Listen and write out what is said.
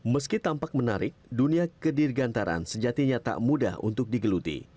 meski tampak menarik dunia kedirgantaraan sejatinya tak mudah untuk digeluti